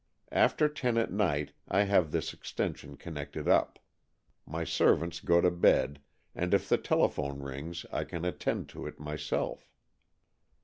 After ten at night I have this extension connected up. My servants go to bed, and if the telephone rings I can attend to it myself.